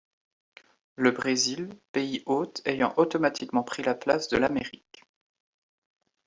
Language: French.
Le Brésil, pays hôte ayant automatiquement pris la place de l’Amérique.